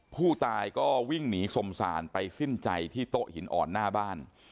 ผู้ตายก็วิ่งหนีสมสารไปสิ้นใจที่โต๊ะหินอ่อนหน้าบ้าน